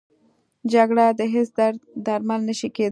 جګړه د هېڅ درد درمل نه شي کېدی